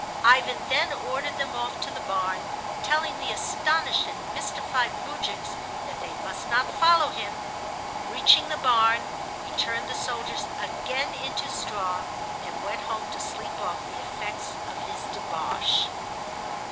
Ivan then ordered them off to the barn, telling the astonished and mystified moujiks that they must not follow him. Reaching the barn, he turned the soldiers again into straw and went home to sleep off the effects of his debauch.